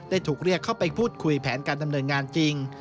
ถูกเรียกเข้าไปพูดคุยแผนการดำเนินงานจริง